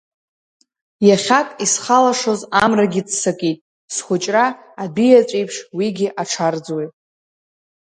Иахьак исхалашоз амрагьы ццакит, схәыҷра адәиаҵәеиԥш уигьы аҽарӡуеит.